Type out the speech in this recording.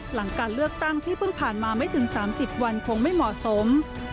หลังการเลือกตั้งที่เพิ่งผ่านมาไม่ถึง๓๐วันคงไม่เหมาะสม